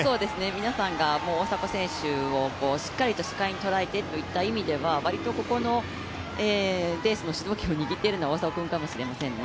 皆さんが大迫選手をしっかりと視界に捉えてという意味では割とここのレースの主導権を握っているのは大迫君かもしれないですね。